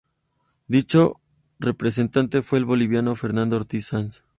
Dicho representante fue el boliviano Fernando Ortiz-Sanz.